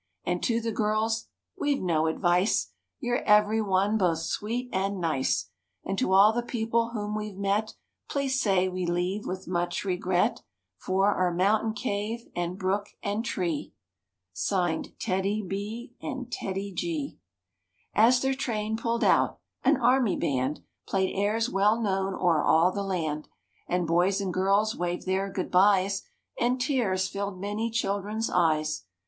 And to the girls: We've no advice; You're everyone both sweet and nice. And to all the people whom we've met Please say we leave, with much regret, For our mountain cave and brook and tree." Signed MORE ABOUT THE ROOSEVELT BEARS As their train pulled out an army band Played airs well known o'er all the land; And boys and girls waved their good byes. And tears filled many children's eyes.